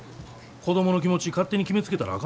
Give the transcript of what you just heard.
子供の気持ち勝手に決めつけたらあかんで。